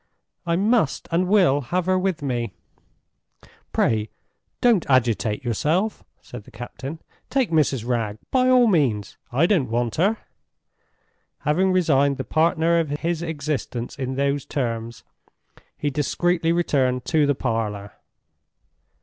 "I must and will have her with me!" "Pray don't agitate yourself," said the captain. "Take Mrs. Wragge, by all means. I don't want her." Having resigned the partner of his existence in those terms, he discreetly returned to the parlor.